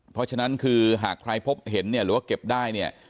เพราะฉะนั้นคือหากใครพบเห็นเนี่ยหรือว่าเก็บได้เนี่ย